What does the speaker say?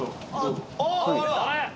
あっ！